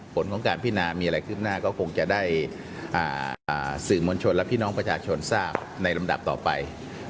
ผลของการพินามีอะไรคืบหน้าก็คงจะได้สื่อมวลชนและพี่น้องประชาชนทราบในลำดับต่อไป